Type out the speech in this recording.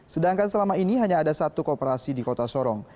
sedangkan selama ini hanya ada satu kooperasi di kota sorong